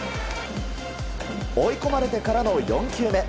追い込まれてからの４球目。